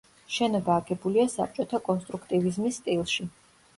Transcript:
შენობა აგებულია საბჭოთა კონსტრუქტივიზმის სტილში.